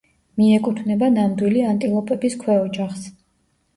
მიეკუთვნება ნამდვილი ანტილოპების ქვეოჯახს.